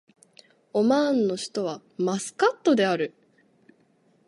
オマーンの首都はマスカットである